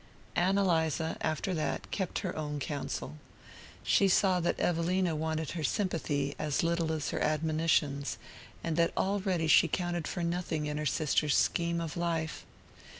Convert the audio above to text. Ann Eliza, after that, kept her own counsel. She saw that Evelina wanted her sympathy as little as her admonitions, and that already she counted for nothing in her sister's scheme of life.